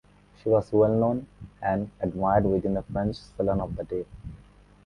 She was well known and admired within the French Salon of the day.